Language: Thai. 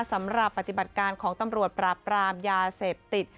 สำหรับปฏิบัติการของตำรวจปราบปรามยาเสพติด